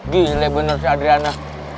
gila bener si adriana